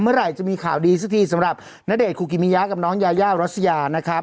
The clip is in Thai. เมื่อไหร่จะมีข่าวดีสักทีสำหรับณเดชนคุกิมิยะกับน้องยายารัสยานะครับ